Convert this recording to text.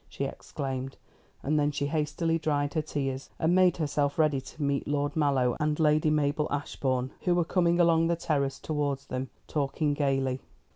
she exclaimed; and then she hastily dried her tears, and made herself ready to meet Lord Mallow and Lady Mabel Ashbourne, who were coming along the terrace towards them, talking gaily.